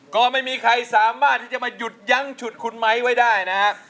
ก็ไม่มีใครสามารถที่จะมาหยุดยั้งฉุดคุณไม้ไว้ได้นะครับ